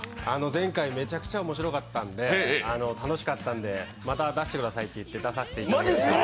前回めちゃくちゃ面白かったので、楽しかったので、また出してくださいって言って出させてもらいました。